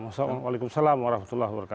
assalamualaikum warahmatullahi wabarakatuh